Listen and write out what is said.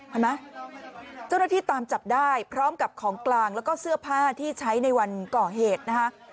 เห็นไหมเจ้าหน้าที่ตามจับได้พร้อมกับของกลางแล้วก็เสื้อผ้าที่ใช้ในวันก่อเหตุนะคะ